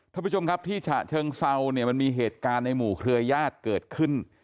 ท่านผู้ชมครับที่ฉะเชิงเซาเนี่ยมันมีเหตุการณ์ในหมู่เครือญาติเกิดขึ้น